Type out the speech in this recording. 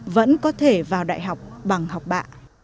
vẫn có thể vào đại học bằng học bạ